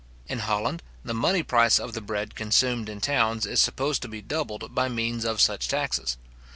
In Holland the money price of the bread consumed in towns is supposed to be doubled by means of such taxes.